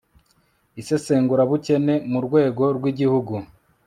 isesengurabukene mu rwego rw'igihugu